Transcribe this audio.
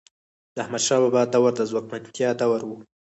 د احمدشاه بابا دور د ځواکمنتیا دور و.